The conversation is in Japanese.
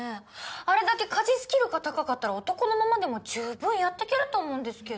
あれだけ家事スキルが高かったら男のままでも十分やっていけると思うんですけど。